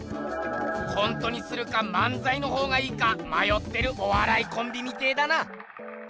コントにするか漫才のほうがいいかまよってるおわらいコンビみてえだな！